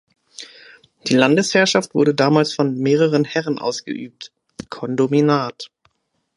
Die Landesherrschaft wurde damals von mehreren Herren ausgeübt (Kondominat).